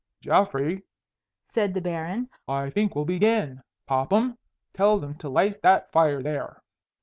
"Geoffrey," said the Baron, "I think we'll begin. Popham, tell them to light that fire there."